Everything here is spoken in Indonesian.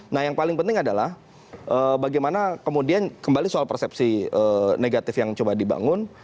nah yang paling penting adalah bagaimana kemudian kembali soal persepsi negatif yang coba dibangun